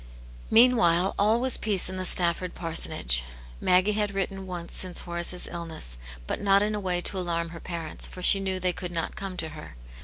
Meanwhile all was peace in the Stafford parsonage; Maggie had written once since Horace's illness, but not in a way to alarm her parents, for she knew they could not come to her.